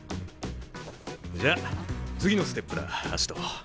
じゃ次のステップだ葦人。